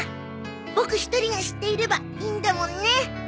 ボク１人が知っていればいいんだもんね。